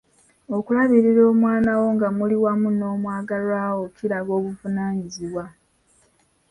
Okulabirira omwana wo nga muli wamu n'omwagalwa wo kiraga buvunaanyizibwa.